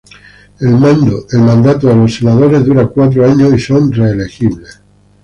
El mandato de los senadores duran cuatro años y son reelegibles.